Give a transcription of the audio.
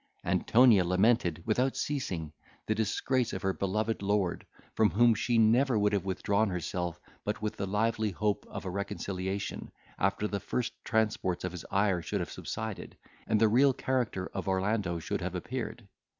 Antonia lamented, without ceasing, the disgrace of her beloved lord, from whom she never would have withdrawn herself, but with the lively hope of a reconciliation, after the first transports of his ire should have subsided, and the real character of Orlando should have appeared.